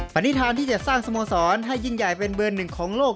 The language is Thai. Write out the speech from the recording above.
ณิธานที่จะสร้างสโมสรให้ยิ่งใหญ่เป็นเบอร์หนึ่งของโลก